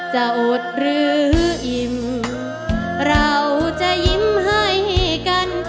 อดหรืออิ่มเราจะยิ้มให้กัน